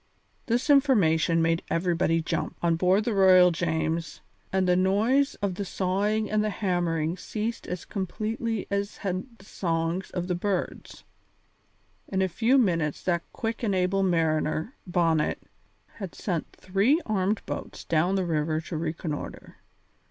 This information made everybody jump, on board the Royal James, and the noise of the sawing and the hammering ceased as completely as had the songs of the birds. In a few minutes that quick and able mariner, Bonnet, had sent three armed boats down the river to reconnoitre.